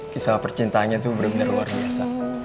kisah percintaannya tuh bener bener luar biasa